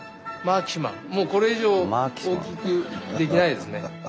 もうこれ以上大きくできないですね。